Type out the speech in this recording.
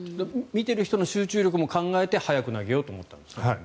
見ている人の集中力も考えて早く投げようと思ったんですか？